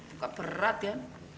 ini berat ya